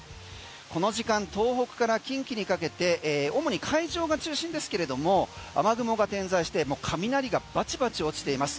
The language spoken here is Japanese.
この時間、東北から近畿にかけて主に海上が中心ですが雨雲が点在して雷がバチバチ落ちています。